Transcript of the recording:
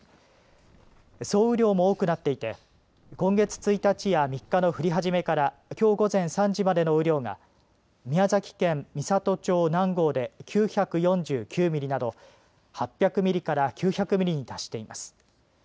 総雨量も多くなっていて今月１日や３日の降り始めからきょう午前３時までの雨量が宮崎県美郷町南郷で９４９ミリなど８００ミリから９００ミリに達しています。